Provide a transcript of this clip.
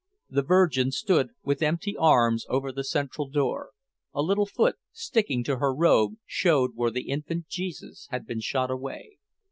The Virgin stood with empty arms over the central door; a little foot sticking to her robe showed where the infant Jesus had been shot away.